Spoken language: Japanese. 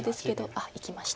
あっいきました。